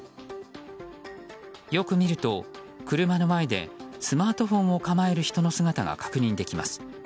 よく見ると、車の前でスマートフォンを構える人の姿が確認できます。